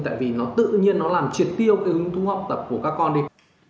tại vì nó tự nhiên nó làm triệt tiêu cái hứng thú học tập của các con đi